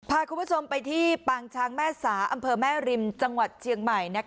พาคุณผู้ชมไปที่ปางช้างแม่สาอำเภอแม่ริมจังหวัดเชียงใหม่